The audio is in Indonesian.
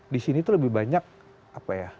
di sini tuh lebih banyak apa ya